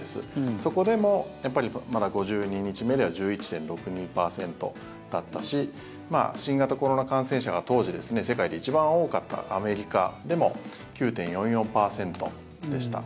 そこでも、まだ５２日目では１１．６２％だったし新型コロナ感染者が、当時世界で一番多かったアメリカでも９．４４％でした。